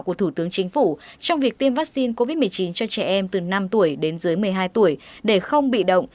của thủ tướng chính phủ trong việc tiêm vaccine covid một mươi chín cho trẻ em từ năm một mươi hai tuổi để không bị động